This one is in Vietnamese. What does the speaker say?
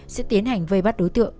sẽ tiến hành vây bắt đối tượng